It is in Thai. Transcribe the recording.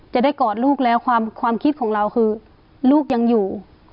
จะได้กอดลูกแล้วความคิดของเราคือลูกยังอยู่